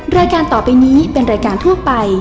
รายการต่อไปนี้เป็นรายการทั่วไป